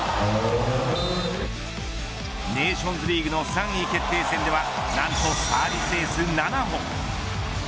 ネーションズリーグの３位決定戦では何とサービスエース７本。